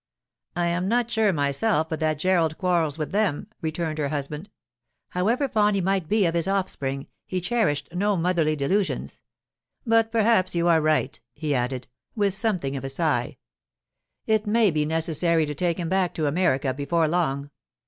'I am not sure, myself, but that Gerald quarrels with them,' returned her husband. However fond he might be of his offspring, he cherished no motherly delusions. 'But perhaps you are right,' he added, with something of a sigh. 'It may be necessary to take him back to America before long.